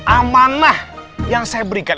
amanah yang saya berikan